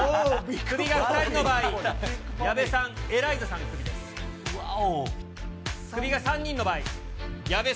クビが３人の場合、矢部さん、エライザさん、うわお。